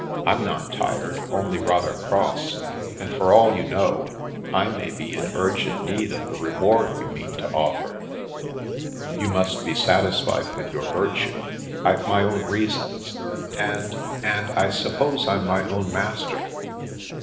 I'm not tired, only rather cross, and for all you know, I may be in urgent need of the reward you mean to offer." " You must be satisfied with your virtue. I've 172 The Princess Passes my own reasons, and — and I suppose I'm my own master?"